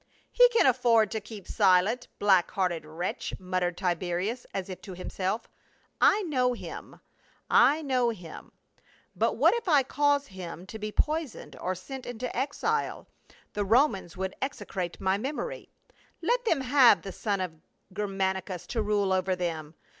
" He can afford to keep silent, black hearted wretch," muttered Tiberius, as if to himself " I know him — I know him. But what if I cause him to be poisoned or sent into exile, the Romans would exe crate my memory. Let them have the son of Ger manicus to rule over them.